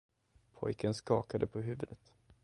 Pojken skakade på huvudet.